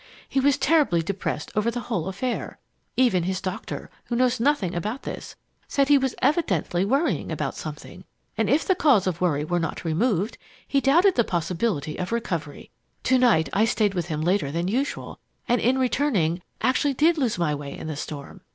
He was terribly depressed over the whole affair. Even his doctor, who knows nothing about this, said he was evidently worrying about something, and if the cause of worry were not removed, he doubted the possibility of recovery. Tonight I stayed with him later than usual, and in returning, actually did lose my way in the storm.